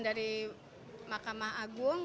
dari makamah agung